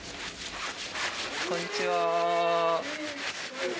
こんにちは。